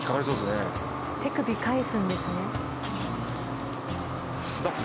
手首返すんですね。